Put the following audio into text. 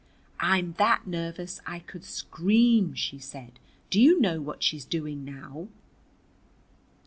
"I'm that nervous I could scream," she said. "Do you know what she's doing now?